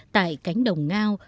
tại cánh đồng ngao